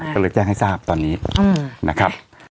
ก็เลยแจ้งให้ทราบตอนนี้นะครับ